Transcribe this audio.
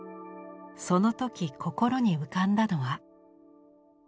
その時心に浮かんだのは。